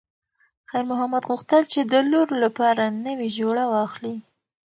خیر محمد غوښتل چې د لور لپاره نوې جوړه واخلي.